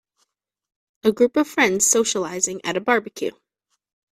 A group of friends socializing at a barbecue.